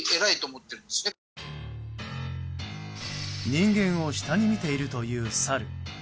人間を下に見ているというサル。